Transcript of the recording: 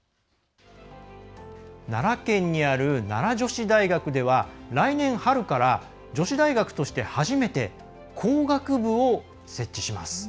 奈良県にある奈良女子大学では来年春から女子大学として初めて工学部を設置します。